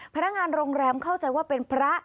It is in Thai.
พนักงานโรงแรมเข้าใจว่าเป็นพระ